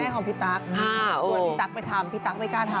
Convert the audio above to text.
ของพี่ตั๊กชวนพี่ตั๊กไปทำพี่ตั๊กไม่กล้าทำ